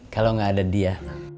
kalau gak ada dia